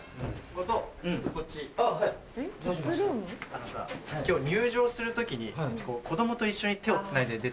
あのさ今日入場する時に子供と一緒に手をつないで出ていく。